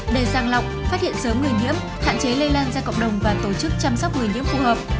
để sang lọc phát hiện sớm người nhiễm hạn chế lây lan ra cộng đồng và tổ chức chăm sóc người nhiễm phù hợp